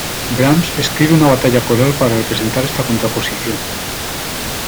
Brahms escribe una batalla coral para representar esta contraposición.